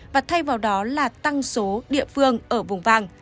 và thay vào đó là tăng số địa phương ở vùng vàng